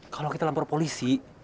kalau kita lapor polisi